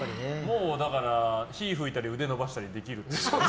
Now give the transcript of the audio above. だから、火吹いたり腕伸ばしたりできる？